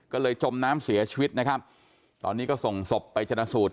ก็เลยจมน้ำเสียชีวิตนะครับตอนนี้ก็ส่งศพไปชนะสูตร